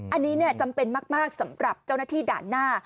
อันนี้จำเป็นมากสำหรับเจ้าหน้าที่ด่านหน้า